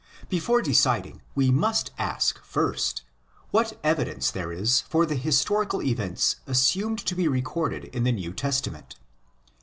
Before deciding, we must ask, first, what evidence there is for the historical events assumed to be recorded in the New Testament.